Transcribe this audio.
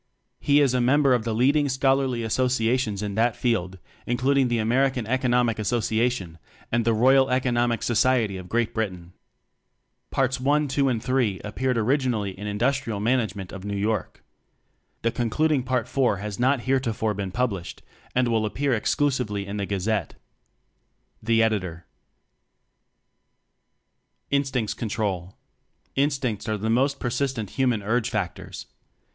He is a member of the leading scholarly associations in that field, including the Amer ican Economic Association and the Royal Economic Society of Great Britain. Parts I, II and III appeared originally in "Industrial Management" of New York. The concluding PartIV has not heretofore been published and will appear exclusively in The Gazette. Editor. Instincts Control. Instincts are the most persistent human urge factors.